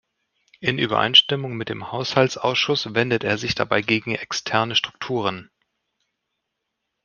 In Übereinstimmung mit dem Haushaltsausschuss wendet er sich dabei gegen externe Strukturen.